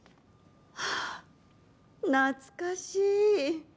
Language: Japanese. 懐かしい。